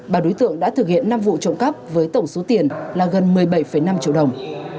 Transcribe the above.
bà đối tượng đã thực hiện năm vụ trộm cắp với tổng số tiền là gần một mươi bảy năm triệu đồng